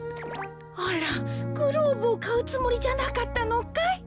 あらグローブをかうつもりじゃなかったのかい？